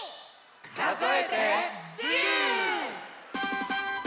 かぞえて１０！